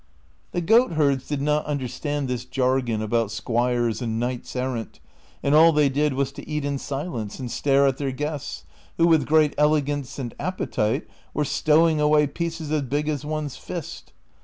The goatherds did not understand this jargon about squires and knights errant, and all they did was to eat in silence and stare at their guests, who, with great elegance and appetite, were stowing away pieces as big as one's list.